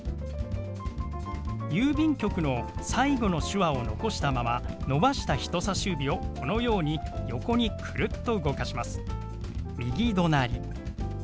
「郵便局」の最後の手話を残したまま伸ばした人さし指をこのように横にクルッと動かします。